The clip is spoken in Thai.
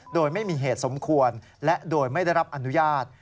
โดยไม่มีเหตุสมควรและโดยไม่ได้รับอนุญาต